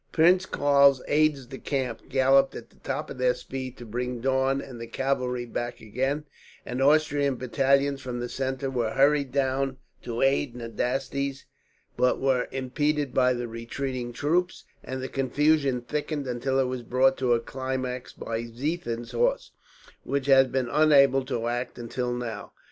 Prince Karl's aides de camp galloped at the top of their speed to bring Daun and the cavalry back again, and Austrian battalions from the centre were hurried down to aid Nadasti's, but were impeded by the retreating troops; and the confusion thickened, until it was brought to a climax by Ziethen's horse, which had been unable to act until now.